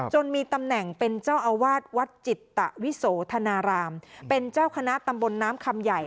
มีตำแหน่งเป็นเจ้าอาวาสวัดจิตวิโสธนารามเป็นเจ้าคณะตำบลน้ำคำใหญ่